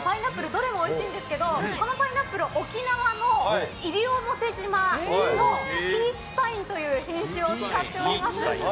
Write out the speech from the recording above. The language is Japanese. どれもおいしいんですけどこのパイナップルは沖縄の西表島のピーチパインという品種を使っております。